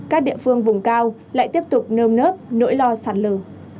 các địa phương vùng cao lại tiếp tục nơm nớp nỗi lo sạt lở